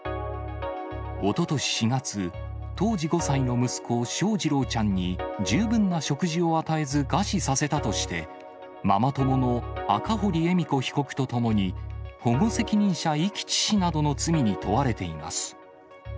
おととし４月、当時５歳の息子、翔士郎ちゃんに十分な食事を与えず餓死させたとして、ママ友の赤堀恵美子被告とともに、保護責任者遺棄致死などの罪に問われています。